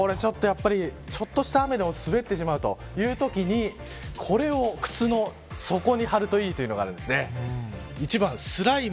ちょっとした雨でも滑ってしまうというときにこれを靴の底に貼るといいというのがあるんです。